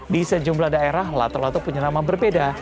di sejumlah daerah lato lato punya nama berbeda